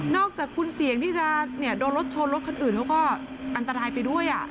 นอกจากคุณแสงจอดโรชน์ชนโรชของอื่นมันก็อันตรายไปด้วย